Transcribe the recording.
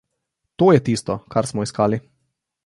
To je tisto, kar smo iskali!